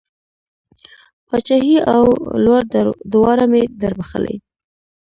پاچهي او لور دواړه مې در بښلې.